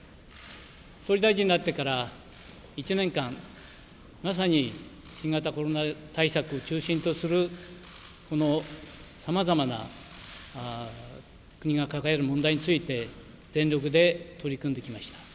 総理大臣になってから１年間、まさに新型コロナ対策を中心とするこの、さまざまな国が抱える問題について全力で取り組んできました。